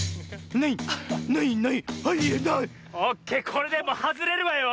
これでもうはずれるわよ。